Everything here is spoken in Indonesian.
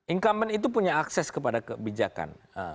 incumbent itu punya akses kepada kebijakan